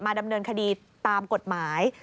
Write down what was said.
ดำเนินคดีตามกฎหมาย